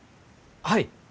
はい。